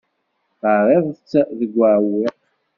Terriḍ-tt deg uɛewwiq.